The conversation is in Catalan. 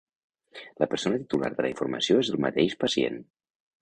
La persona titular de la informació és el mateix pacient.